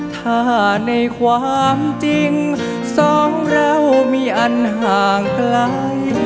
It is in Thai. ถ้าในความจริงสองเรามีอันห่างไกล